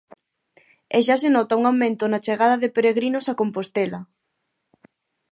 E xa se nota un aumento na chegada de peregrinos a Compostela.